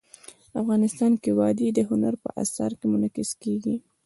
افغانستان کې وادي د هنر په اثار کې منعکس کېږي.